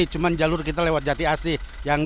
cuma jalur kita lewat jati asih